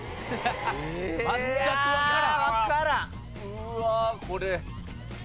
うわこれ。